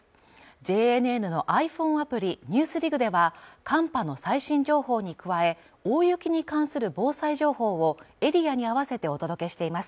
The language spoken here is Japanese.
ＪＮＮのｉＰｈｏｎｅアプリ「ＮＥＷＳＤＩＧ」では寒波の最新情報に加え大雪に関する防災情報をエリアに合わせてお届けしています